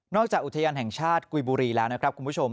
จากอุทยานแห่งชาติกุยบุรีแล้วนะครับคุณผู้ชม